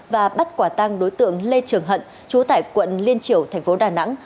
và bắt quả tang đối tượng lê trường hận chú tại quận liên triểu tp đà nẵng